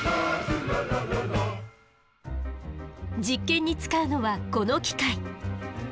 実験に使うのはこの機械。